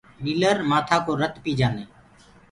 ڏيٚلر مآٿآ ڪو رت پي جآندآ هينٚ۔